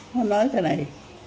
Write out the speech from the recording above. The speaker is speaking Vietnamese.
nó nói cái này